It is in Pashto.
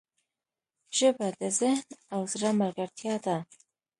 ژبه د ذهن او زړه ملګرتیا ده